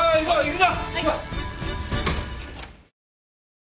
はい。